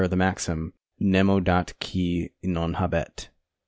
the maxim : Nemo dat qui non habet.